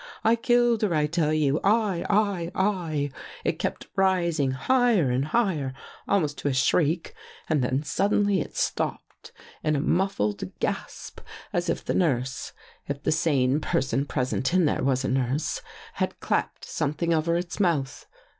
' I killed her, I tell you. I! I! I!' " It kept rising higher and higher almost to a shriek and then suddenly it stopped in a muffled gasp, as if the nurse — if the sane person present in there was a nurse — had clapped something over its mouth.